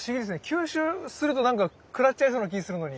吸収するとくらっちゃいそうな気するのに。